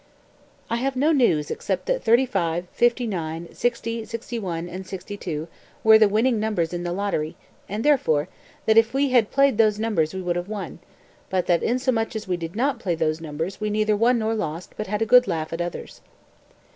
206. "I have no news except that 35, 59, 60, 61, 62, were the winning numbers in the lottery, and, therefore, that if we had played those numbers we would have won; but that inasmuch as we did not play those numbers we neither won nor lost but had a good laugh at others."